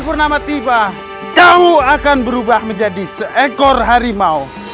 kapan nama tiba kamu akan berubah menjadi seekor harimau